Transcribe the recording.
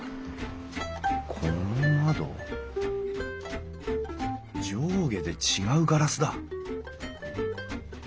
この窓上下で違うガラスだ！